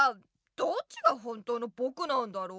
どっちが本当のぼくなんだろう？